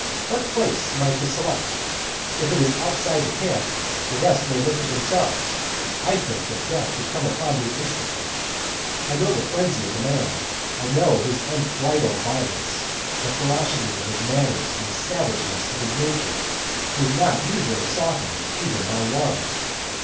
What place am I to select? If it is outside the camp, the rest may look to themselves, I think that death would come upon me instantly. I know the frenzy of the man; I know his unbridled violence. The ferocity of his manners and the savageness of his nature is not usually softened even by wine.